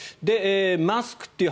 マスクという話